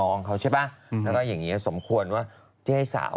โอลี่คัมรี่ยากที่ใครจะตามทันโอลี่คัมรี่ยากที่ใครจะตามทัน